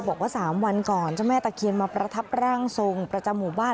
บอกว่า๓วันก่อนเจ้าแม่ตะเคียนมาประทับร่างทรงประจำหมู่บ้าน